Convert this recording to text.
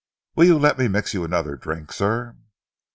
Will you let me mix you another drink, sir?"